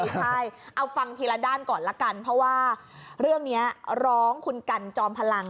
ใช่เอาฟังทีละด้านก่อนละกันเพราะว่าเรื่องนี้ร้องคุณกันจอมพลัง